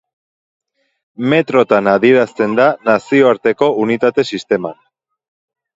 Metrotan adierazten da Nazioarteko Unitate Sisteman.